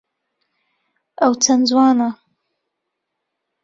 ئەو چەند جوانە!